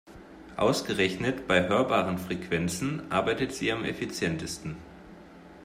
Ausgerechnet bei hörbaren Frequenzen arbeitet sie am effizientesten.